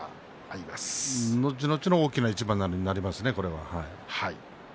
後の大きな一番になりますね。